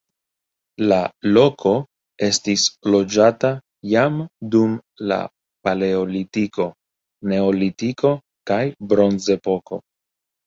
La loko estis loĝata jam dum la paleolitiko, neolitiko kaj bronzepoko.